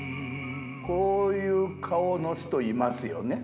こういう顔の人いますよね。